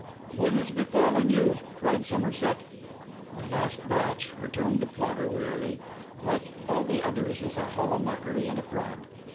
'What has befallen you?' cried Somerset. 'My last batch,' returned the plotter wearily, 'like all the others, is a hollow mockery and a fraud.